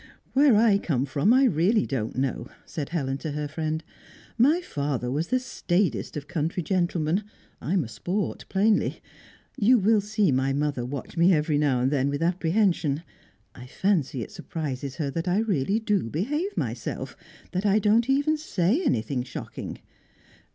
"Where I come from, I really don't know," said Helen to her friend. "My father was the staidest of country gentlemen. I'm a sport, plainly. You will see my mother watch me every now and then with apprehension. I fancy it surprises her that I really do behave myself that I don't even say anything shocking.